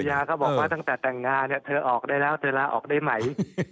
ยาก็บอกว่าตั้งแต่แต่งงานเนี่ยเธอออกได้แล้วเธอลาออกได้ไหม